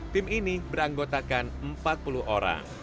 tim ini beranggotakan empat puluh orang